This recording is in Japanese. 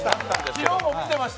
昨日も見てました。